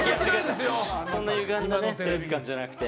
そんなゆがんだテレビ感じゃなくて。